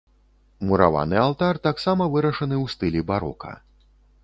Мураваны алтар таксама вырашаны ў стылі барока.